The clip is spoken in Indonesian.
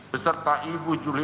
beserta ibu jokowi